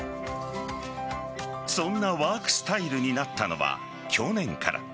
そんなワークスタイルになったのは去年から。